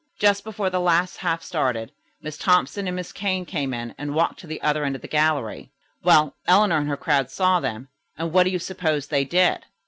"Just before the last half started, Miss Thompson and Miss Kane came in and walked to the other end of the gallery. Well, Eleanor and her crowd saw them, and what do you suppose they did?"